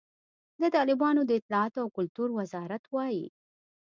د طالبانو د اطلاعاتو او کلتور وزارت وایي،